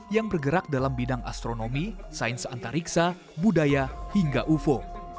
yang bergerak dalam bidang astronomi sains antariksa budaya hingga ufo